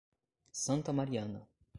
Santa Mariana